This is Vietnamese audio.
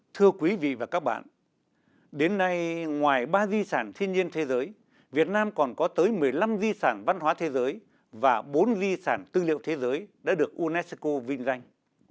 thưa quý vị và các bạn đến nay ngoài ba di sản thiên nhiên thế giới việt nam còn có tới một mươi năm di sản văn hóa thế giới và bốn di sản tư liệu thế giới đã được unesco vinh danh